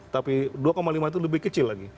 tapi dua lima itu lebih kecil lagi